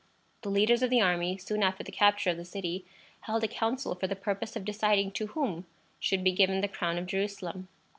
The leaders of the army, soon after the capture of the city, held a council for the purpose of deciding to whom should be given the crown of Jerusalem.